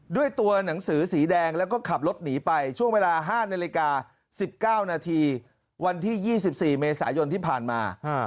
ด้วยตัวหนังสือสีแดงแล้วก็ขับรถหนีไปช่วงเวลา๕นาฬิกา๑๙นาทีวันที่๒๔เมษายนที่ผ่านมา